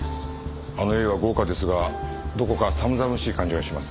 あの家は豪華ですがどこか寒々しい感じがします。